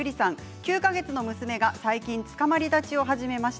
９か月の娘が最近つかまり立ちを始めました。